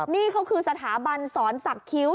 นี่เขาคือสถาบันสอนศักดิ์คิ้ว